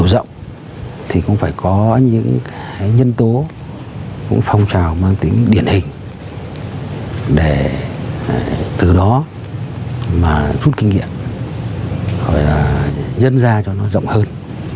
một phong trào mang tính điển hình để từ đó mà rút kinh nghiệm gọi là dân gia cho nó rộng hơn